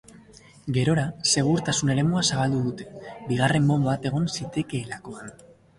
Gerora, segurtasun eremua zabaldu dute, bigarren bonba bat egon zitekeelakoan.